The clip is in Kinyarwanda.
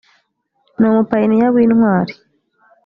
ni umupayiniya w intwari